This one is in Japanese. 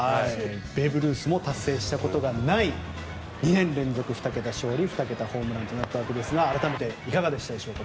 ベーブ・ルースも達成したことがない２年連続２桁勝利２桁ホームランとなったわけですが改めていかがでしたでしょうか